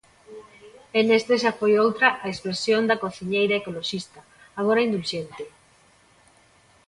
E nestes xa foi outra a expresión da cociñeira ecoloxista, agora indulxente.